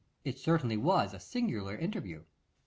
It certainly was a singular interview.